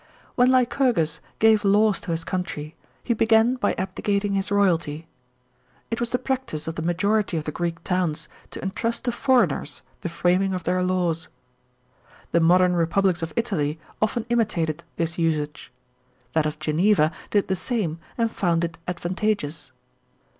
When Lycurgus gave laws to his country, he began by abdicating his royalty. It was the practice of the majority of the Greek towns to intrust to foreigners the framing of their laws. The modem republics of Italy often imitated this usage; that of Geneva did the same and found it advantageous.